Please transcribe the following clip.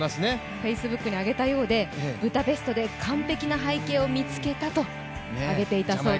Ｆａｃｅｂｏｏｋに上げたようで、ブダペストで完璧な背景を見つけたと言っていたようです。